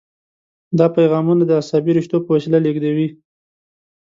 دا پیغامونه د عصبي رشتو په وسیله لیږدوي.